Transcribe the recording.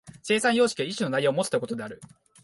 生産様式が一種の内容をもつということである。